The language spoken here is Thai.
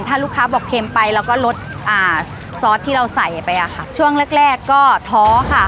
ถ้าลูกค้าบอกเค็มไปเราก็ลดอ่าซอสที่เราใส่ไปอ่ะค่ะช่วงแรกแรกก็ท้อค่ะ